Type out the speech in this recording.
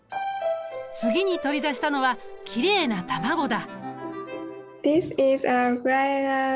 次に取り出したのはきれいな卵だ。